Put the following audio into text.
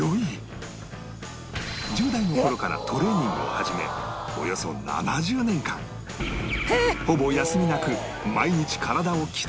１０代の頃からトレーニングを始めおよそ７０年間ほぼ休みなく毎日体を鍛え